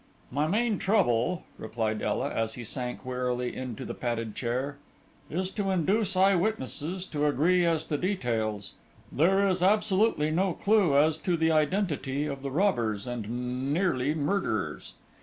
"My main trouble," replied Ela, as he sank wearily into the padded chair, "is to induce eyewitnesses to agree as to details; there is absolutely no clue as to the identity of the robbers, and nearly murderers.